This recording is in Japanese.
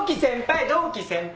同期先輩！